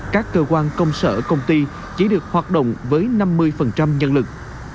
các cơ quan công sở công ty chỉ được hoạt động với năm mươi nhân lực